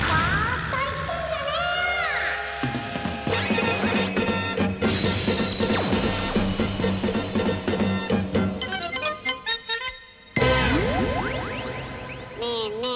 ねえねえ